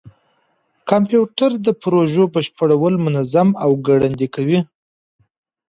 کمپيوټر د پروژو بشپړول منظم او ګړندي کوي.